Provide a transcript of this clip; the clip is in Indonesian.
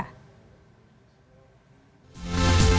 kita akan menikmati kepada mereka